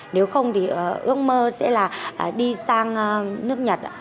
nếu không thì ước mơ sẽ là đi sang nước nhật